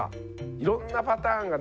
いろんなパターンがね